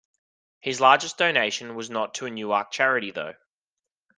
His largest donation was not to a Newark charity though.